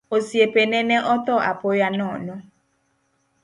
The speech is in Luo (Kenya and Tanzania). Osiepene ne otho apoya nono.